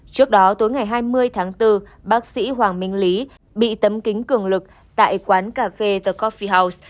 trước đó tối ngày hai mươi tháng bốn bác sĩ hoàng minh lý bị tấm kính cường lực tại quán cà phê the coffi house